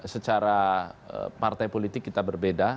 secara partai politik kita berbeda